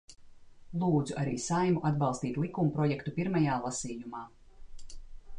Lūdzu arī Saeimu atbalstīt likumprojektu pirmajā lasījumā.